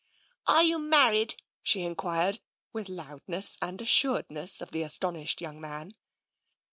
"Are you married?" she enquired with loudness and assurance of the astonished young man.